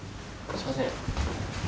すいません。